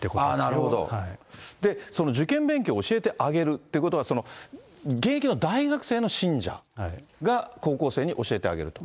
その受験勉強を教えてあげるってことは、現役の大学生の信者が高校生に教えてあげると。